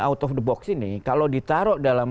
out of the box ini kalau ditaruh dalam